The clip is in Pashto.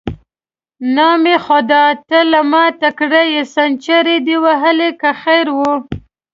نام خدای، ته له ما تکړه یې، سنچري دې وهې که خیر وي.